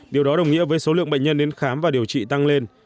điều đó đồng nghĩa với số lượng bệnh nhân đến khám và điều trị tăng lên